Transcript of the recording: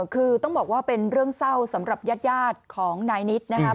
คือต้องบอกว่าเป็นเรื่องเศร้าสำหรับญาติของนายนิดนะครับ